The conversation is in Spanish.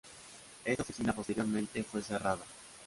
Esta oficina posteriormente, fue cerrada.